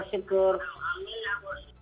bersyukur kepada allah